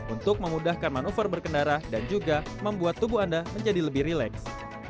untuk memudahkan manuver berkendara dan juga membuat tubuh anda menjadi lebih rileks